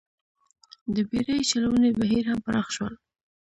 د بېړۍ چلونې بهیر هم پراخ شول